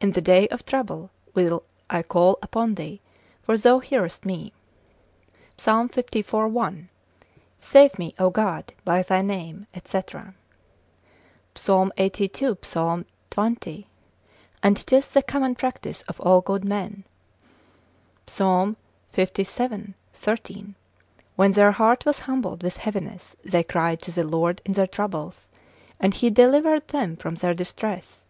In the day of trouble will I call upon thee, for thou hearest me. Psal. liv. 1. Save me, O God, by thy name, &c. Psal. lxxxii. Psal. xx. And 'tis the common practice of all good men, Psal. cvii. 13. when their heart was humbled with heaviness, they cried to the Lord in their troubles, and he delivered them from their distress.